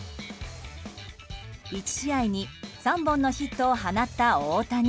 １試合に３本のヒットを放った大谷。